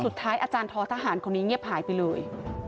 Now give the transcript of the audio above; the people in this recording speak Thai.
สุดท้ายอาจารย์ทอทหารคนนี้เงียบหายไปเลย